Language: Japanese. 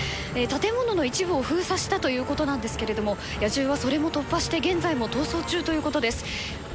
建物の一部を封鎖したということなんですけれども野獣はそれも突破して現在も逃走中ということです。